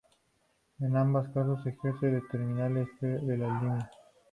En ambos casos ejerce de terminal este de las líneas.